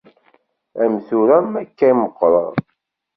Am tura mi akka i meqqreɣ.